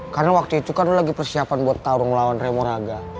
karena waktu itu kan lo lagi persiapan buat taruh ngelawan remo raga